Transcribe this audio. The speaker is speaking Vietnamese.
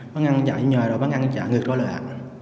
bán ăn chạy vô nhòa rồi bán ăn chạy ngược ra lại